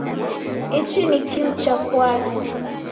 Ichi ni kimu cha pwari.